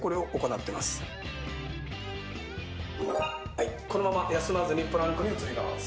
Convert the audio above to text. はいこのまま休まずにプランクに移ります。